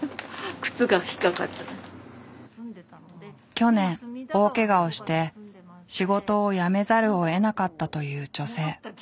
去年大けがをして仕事を辞めざるをえなかったという女性。